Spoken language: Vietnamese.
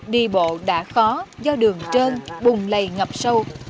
đi bộ đã khó do đường trơn bùng lầy ngập sâu